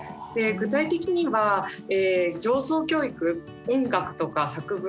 具体的には情操教育音楽とか作文